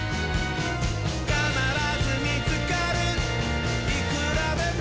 「かならずみつかるいくらでも」